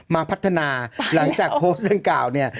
มาพัฒนาหลังจากโพสต์ดังกล่าวเนี่ย